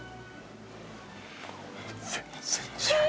全然違う。